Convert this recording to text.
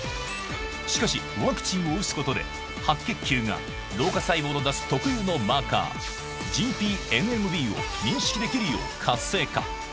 しかし、ワクチンを打つことで、白血球が老化細胞が出す特有のマーカー、ＧＰＮＭＢを認識できるよう活性化。